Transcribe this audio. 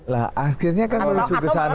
lah akhirnya kan menuju ke sana